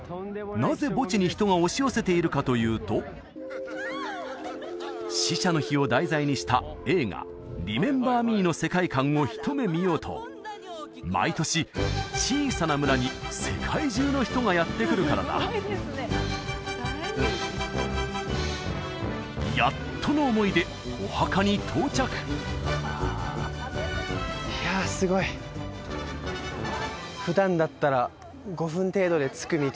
なぜ墓地に人が押し寄せているかというと死者の日を題材にした映画「リメンバー・ミー」の世界観をひと目見ようと毎年小さな村に世界中の人がやって来るからだやっとの思いでお墓に到着いやすごい普段だったら５分程度で着く道